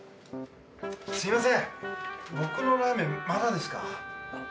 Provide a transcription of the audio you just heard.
すみません、僕のラーメンまだですか？